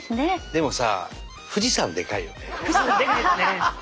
でもさ富士山でかいですね。